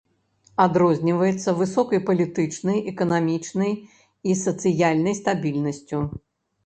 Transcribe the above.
Адрозніваецца высокай палітычнай, эканамічнай і сацыяльнай стабільнасцю.